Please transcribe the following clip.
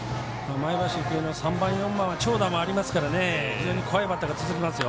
前橋育英の３番、４番は長打もありますから非常に怖いバッターが続きますよ。